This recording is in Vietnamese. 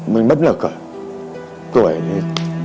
mình mất được tuổi thì